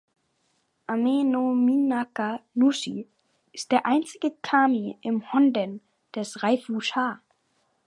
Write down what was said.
Ame-no-minaka-nushi ist der einzige Kami im "honden" des "Reifu-sha".